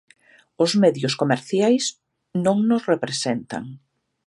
Os medios comerciais non nos representan.